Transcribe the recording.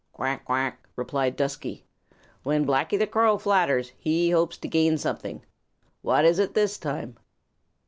"Quack, quack," replied Dusky. "When Blacky the Crow flatters, he hopes to gain something. What is it this time?"